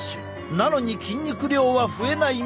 なのに筋肉量は増えないまま。